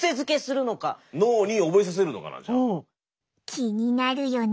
気になるよね。